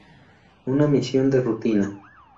Una misión de rutina.